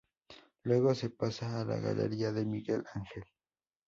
Luego se pasa a la galería de Miguel Ángel.